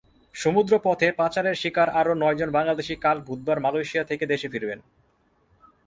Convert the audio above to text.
সমুদ্রপথে পাচারের শিকার আরও নয়জন বাংলাদেশি কাল বুধবার মালয়েশিয়া থেকে দেশে ফিরবেন।